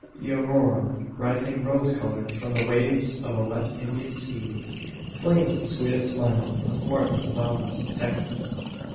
The Aurora, rising rose coloured from the waves of a West Indian sea, flings its sweetest smile athwart the savannas of Texas.